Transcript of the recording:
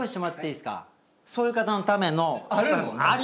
そういう方のための。